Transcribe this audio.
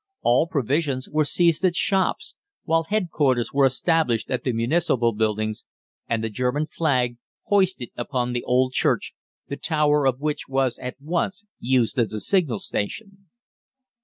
All provisions were seized at shops, while headquarters were established at the municipal buildings, and the German flag hoisted upon the old church, the tower of which was at once used as a signal station.